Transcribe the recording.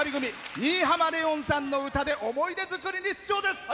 新浜レオンさんの歌で思い出作りに出場です。